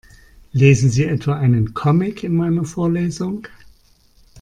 Lesen Sie etwa einen Comic in meiner Vorlesung?